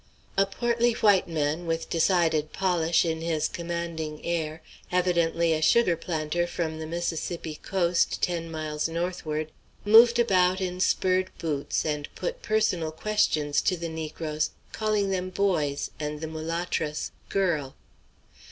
A portly white man, with decided polish in his commanding air, evidently a sugar planter from the Mississippi "coast" ten miles northward, moved about in spurred boots, and put personal questions to the negroes, calling them "boys," and the mulattress, "girl."